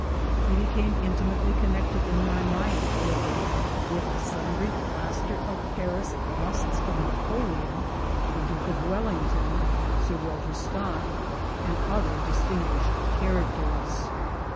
He became intimately connected in my mind, however, with sundry plaster of Paris busts of Napoleon, the Duke of Wellington, Sir Walter Scott, and other distin guished characters.